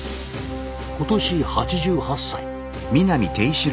今年８８歳。